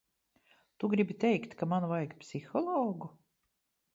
Tu gribi teikt, ka man vajag psihologu?